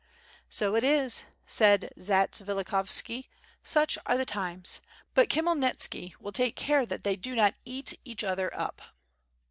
"So it is," said Zatsvilikhovski, "such are the times! But Khmyelnitski will take care that they do not eat each other up."